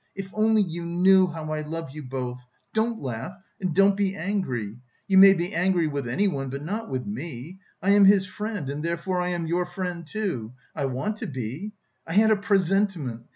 If only you knew how I love you both! Don't laugh, and don't be angry! You may be angry with anyone, but not with me! I am his friend, and therefore I am your friend, too, I want to be... I had a presentiment...